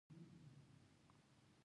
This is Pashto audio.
اسکندر په افغانستان کې څو ښارونه جوړ کړل